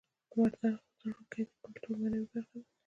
مردار ځړوکی د کولتور معنوي برخه ده